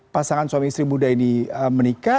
pasangan suami istri muda ini menikah